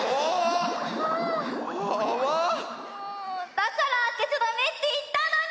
だからあけちゃだめっていったのに！